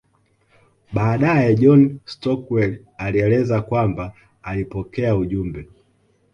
Baadae John Stockwell alieleza kwamba alipokea ujumbe